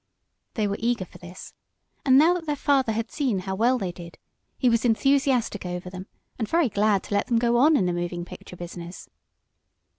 They were eager for this, and, now that their father had seen how well they did, he was enthusiastic over them, and very glad to let them go on in the moving picture business.